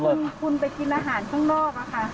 แต่ตอนนี้คุณไปกินอาหารข้างนอกล่ะค่ะ